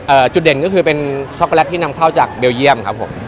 จุดเด่นก็คือเป็นช็อกโกแลตที่นำเข้าจากเบลเยี่ยมครับผม